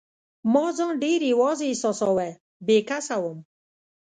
ما ځان ډېر یوازي احساساوه، بې کسه وم.